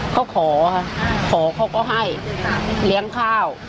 เค้าขอขอก็ให้เลี้ยงข้าว